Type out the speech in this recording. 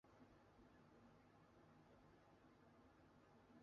毗尸罗婆迎娶持力仙人。